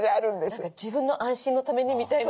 何か自分の安心のためにみたいな。